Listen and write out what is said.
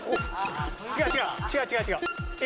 違う違う違う違う違うえ